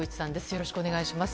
よろしくお願いします。